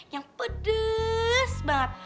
yang pedes banget